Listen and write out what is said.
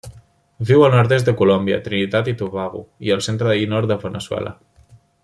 Viu al nord-est de Colòmbia, Trinitat i Tobago i el centre i nord de Veneçuela.